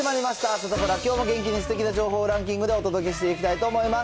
サタプラ、きょうも元気にすてきな情報をランキングでお届けしていきたいと思います。